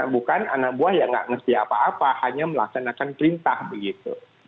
bukan anak buah yang nggak ngerti apa apa hanya melaksanakan perintah begitu